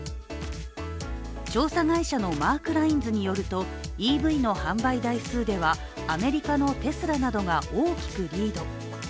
調査会社のマークラインズによるとＥＶの販売台数ではアメリカのテスラなどが大きくリード。